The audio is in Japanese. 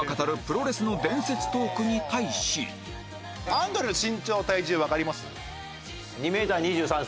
アンドレの身長体重わかります？